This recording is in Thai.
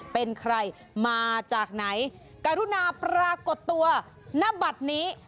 เป็นใครมาจากไหนกรุณาปรากฏตัวณบัตรนี้